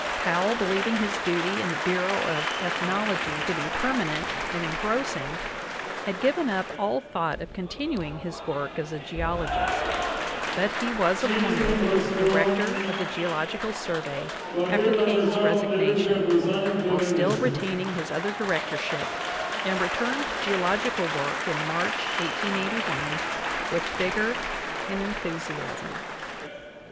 Powell, believing his duty in the Bureau of Ethnology to be permanent and engross ^ ing, had given up "all thought of continuing his work as a ' geologist ;'' but he was appointed Director of the Geological Survey after King's resignation, while still retaining his other directorship, and returned to geological work in March, 1881, 1 with vigor and enthusiasm.